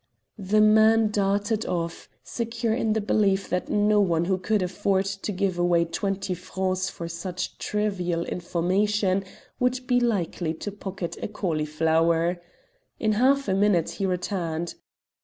The man darted off, secure in the belief that no one who could afford to give away twenty francs for such trivial information would be likely to pocket a cauliflower. In half a minute he returned.